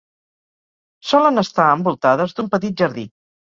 Solen estar envoltades d'un petit jardí.